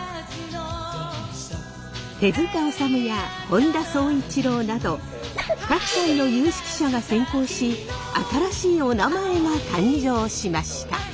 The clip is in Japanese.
手治虫や本田宗一郎など各界の有識者が選考し新しいおなまえが誕生しました。